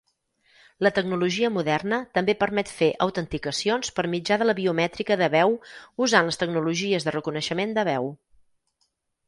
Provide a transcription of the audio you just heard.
La tecnologia moderna també permet fer autenticacions per mitjà de la biomètrica de veu usant les tecnologies de reconeixement de veu.